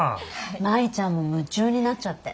舞ちゃんも夢中になっちゃって。